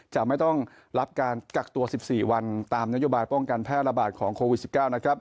จะไม่ต้องรับการกักตัว๑๔วันตามนโยบายป้องกันแพร่ระบาดของโควิด๑๙นะครับ